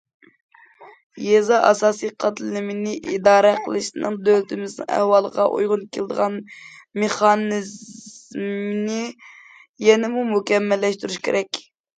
يېزا ئاساسىي قاتلىمىنى ئىدارە قىلىشنىڭ دۆلىتىمىزنىڭ ئەھۋالىغا ئۇيغۇن كېلىدىغان مېخانىزمىنى يەنىمۇ مۇكەممەللەشتۈرۈش كېرەك.